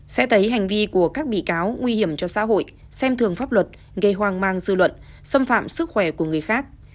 sẽ thấy hành vi của các bị cáo nguy hiểm cho xã hội xem thường pháp luật gây hoang mang dư luận xâm phạm sức khỏe của người khác